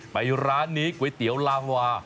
ไปร้านนี้ก๋วยเตี๋ยวลางวา